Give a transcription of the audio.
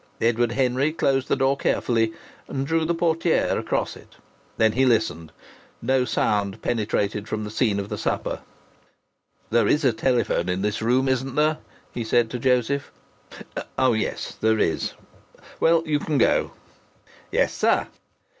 Edward Henry closed the door carefully, and drew the portière across it. Then he listened. No sound penetrated from the scene of the supper. "There is a telephone in this room, isn't there?" he said to Joseph. "Oh, yes, there it is! Well, you can go." "Yes, sir."